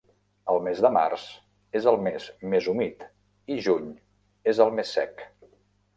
El mes de març és el mes més humit i juny és el més sec.